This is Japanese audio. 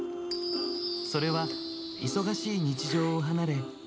それは忙しい日常を離れ。